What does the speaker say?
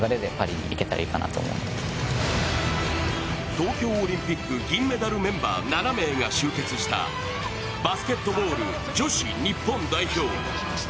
東京オリンピック銀メダルメンバー７名が集結したバスケットボール女子日本代表。